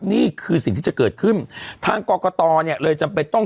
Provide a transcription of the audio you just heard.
นี่คือสิ่งที่จะเกิดขึ้นทางกรกตเนี่ยเลยจำเป็นต้อง